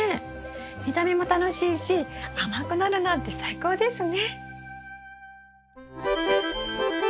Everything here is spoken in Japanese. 見た目も楽しいし甘くなるなんて最高ですね！